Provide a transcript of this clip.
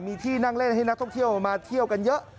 มีที่นั่งเล่นให้นักท่องเที่ยวมาเที่ยวกันเยอะ